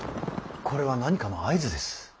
これは何かの合図です。